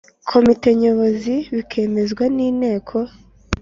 Komite Nyobozi bikemezwa n Inteko